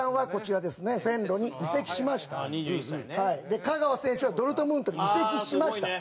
で香川選手はドルトムントに移籍しました。